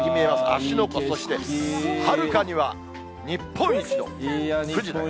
芦ノ湖、そしてはるかには日本一の富士。